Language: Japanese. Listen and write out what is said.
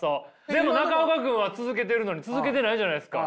でも中岡君は続けてるのに続けてないじゃないですか？